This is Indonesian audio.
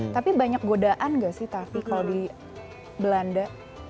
tapi banyak godaan nggak sih tavi kalau di belanda